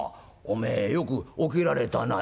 おめえよく起きられたな」。